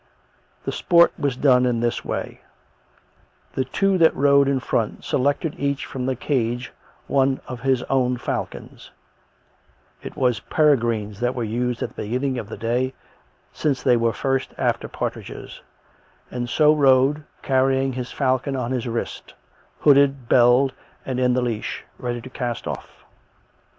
The sport was done in this way: The two that rode in front selected each from the cadge one of his own falcons (it was peregrines that were used at the beginning of the day, since they were first after partridges), and so rode, carrying his falcon on his wrist, hooded, belled, and in the leash, ready to cast off.